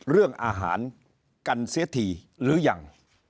เรื่องอาหารกันเสียทีหรือยัง